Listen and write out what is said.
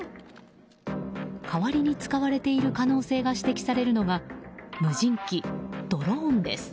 代わりに使われている可能性が指摘されるのが無人機・ドローンです。